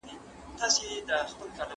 د بهرنیو چارو وزارت اقتصادي بندیزونه نه مني.